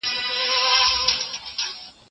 لوی سوداګر د خپلو کارونو له پاره اوږدمهالی فکر کوي.